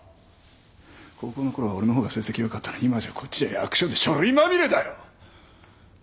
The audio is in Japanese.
高校のころは俺の方が成績良かったのに今じゃこっちは役所で書類まみれだよ！